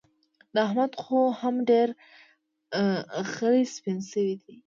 د احمد خو هم ډېر خلي سپين شوي دي.